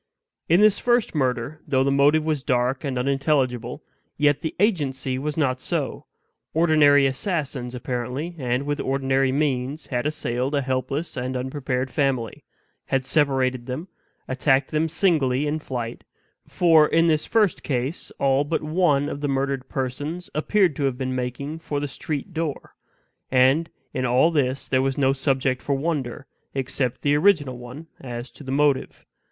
In this first murder, though the motive was dark and unintelligible, yet the agency was not so; ordinary assassins apparently, and with ordinary means, had assailed a helpless and unprepared family; had separated them; attacked them singly in flight (for in this first case all but one of the murdered persons appeared to have been making for the street door); and in all this there was no subject for wonder, except the original one as to the motive.